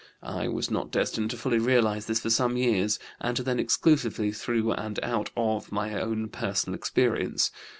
(I was not destined to fully realize this for some years and then exclusively through and out of my own personal experience.)